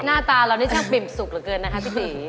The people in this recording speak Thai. หน้าตาเรานี่ช่างปิ่มสุกเหลือเกินนะคะพี่ตี